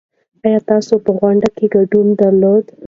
ايا تاسې په غونډه کې ګډون درلود؟